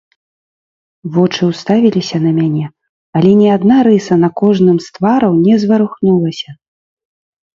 Вочы ўставіліся на мяне, але ні адна рыса на кожным з твараў не зварухнулася.